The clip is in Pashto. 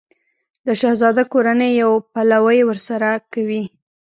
د شهزاده کورنۍ یې پلوی ورسره کوي.